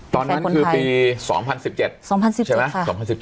ตอนนั้นคือปี๒๐๑๗๒๐๑๐ใช่ไหม